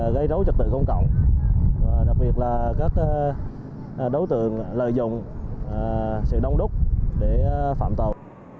gây rối trật tự công cộng đặc biệt là các đối tượng lợi dụng sự đông đúc để phạm tội